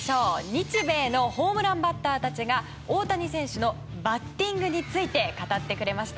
日米のホームランバッターたちが大谷選手のバッティングについて語ってくれました。